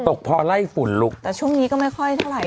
ตกพอไล่ฝุ่นลุกแต่ช่วงนี้ก็ไม่ค่อยเท่าไหร